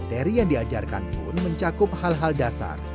teri yang diajarkan pun mencakup hal hal dasar